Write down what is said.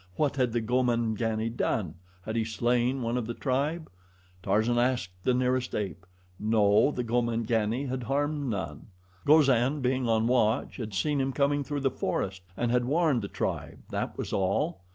What had the Gomangani done? Had he slain one of the tribe? Tarzan asked the nearest ape. No, the Gomangani had harmed none. Gozan, being on watch, had seen him coming through the forest and had warned the tribe that was all.